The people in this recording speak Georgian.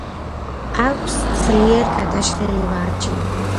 აქვს ძლიერ გადაშლილი ვარჯი.